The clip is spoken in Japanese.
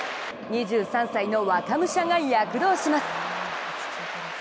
２３歳の若武者が躍動します。